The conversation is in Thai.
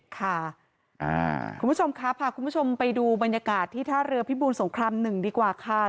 คุณผู้ชมค่ะพาคุณผู้ชมไปดูบรรยากาศที่ท่าเรือพิบูรสงคราม๑ดีกว่าค่ะ